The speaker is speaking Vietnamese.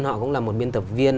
họ cũng là một biên tập viên